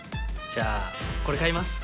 じゃあこれ買います。